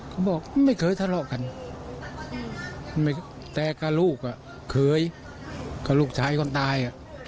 เขาบอกไม่เคยทะเลาะกันแต่กับลูกอ่ะเคยกับลูกชายคนตาย